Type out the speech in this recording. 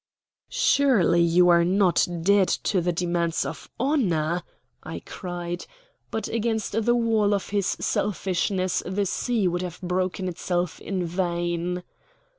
"Surely you are not dead to the demands of honor?" I cried; but against the wall of his selfishness the sea would have broken itself in vain.